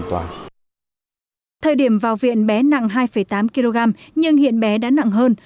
thời điểm vào viện bé nặng hai tám kg nhưng hiện bé đã nặng hơn